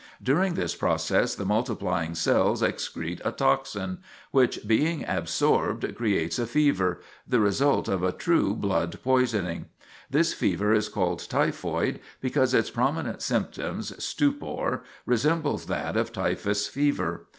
During this process the multiplying cells excrete a toxin, which, being absorbed, creates a fever, the result of a true blood poisoning. This fever is called typhoid, because its prominent symptom, stupor, resembles that of typhus fever.